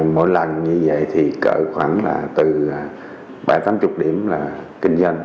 mỗi lần như vậy thì cỡ khoảng là từ bảy tám mươi điểm là kinh doanh